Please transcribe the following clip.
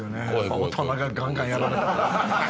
大人がガンガンやられてたら。